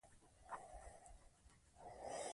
ملالۍ اوبه رسولې.